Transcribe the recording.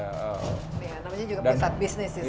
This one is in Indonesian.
iya namanya juga pusat bisnis di sini